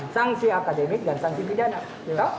sanksi akademik dan sanksi pidana